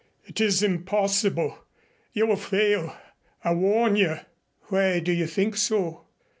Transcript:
"It is impossible. You will fail. I warn you." "Why do you think so?"